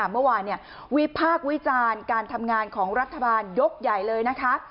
เมื่อวานวิพากษ์วิจารณ์การทำงานของรัฐบาลยกใหญ่เลยนะคะ